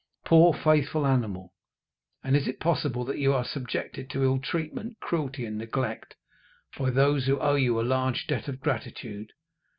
Poor, faithful animal! and is it possible that you are subjected to ill treatment, cruelty, and neglect by those who owe you a large debt of gratitude?